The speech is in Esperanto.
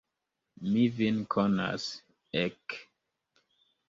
Mi vin konas, ek!